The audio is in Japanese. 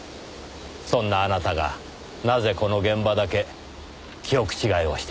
そんなあなたがなぜこの現場だけ記憶違いをしてしまったのでしょう。